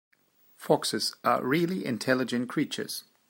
Foxes are really intelligent creatures.